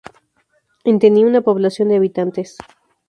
En tenía una población de habitantes.